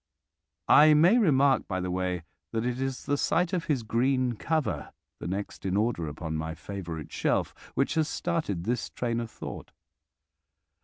I may remark by the way that it is the sight of his green cover, the next in order upon my favourite shelf, which has started this train of thought.